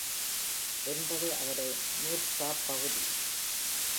என்பது அவரது நூற்பாப் பகுதி.